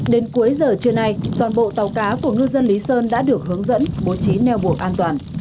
đến cuối giờ trưa nay toàn bộ tàu cá của ngư dân lý sơn đã được hướng dẫn bố trí neo bộ an toàn